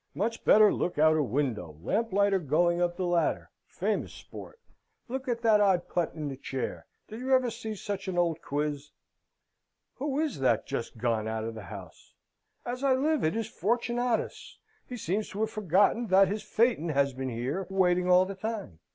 "Much better look out a window. Lamplighter going up the ladder famous sport. Look at that old putt in the chair: did you ever see such an old quiz?" "Who is that just gone out of the house? As I live, it's Fortunatus! He seems to have forgotten that his phaeton has been here, waiting all the time.